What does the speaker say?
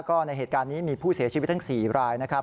ก็ในเหตุการณ์นี้มีผู้เสียชีวิตทั้ง๔รายนะครับ